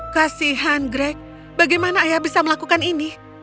kasihan greg bagaimana ayah bisa melakukan ini